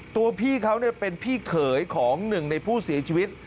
ตัวพี่เขาเป็นพี่เขยของหนึ่งในผู้เสียชีวิต